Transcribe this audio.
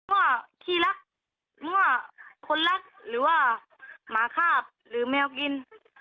พ่อที่รักมั่วคนรักหรือว่าหมาคาบหรือแมวกิน